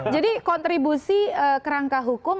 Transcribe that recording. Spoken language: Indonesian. jadi kontribusi kerangka hukum